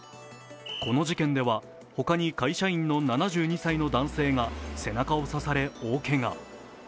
この事件では他に会社員の７２歳の男性が背中を刺され大けが。